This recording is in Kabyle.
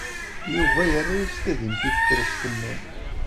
Yuba yerra-as tadimt i tefrest-nni.